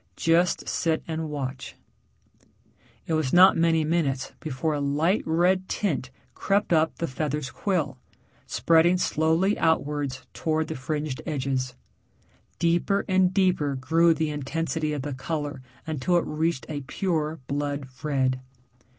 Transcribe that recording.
"Just sit and watch." It was not many minutes before a light red tint crept up the feather's quill, spreading slowly outwards towards the fringed edges. Deeper and deeper grew the intensity of the color until it reached a pure blood red.